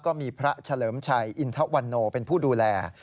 ก็มีพระเฉลิมชัยอินทะวันโนเป็นผู้ดูแล